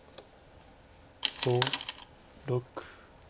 ５６。